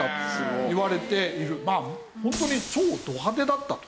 まあホントに超ド派手だったと。